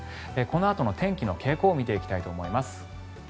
このあとの天気の傾向を見ていきたいと思います。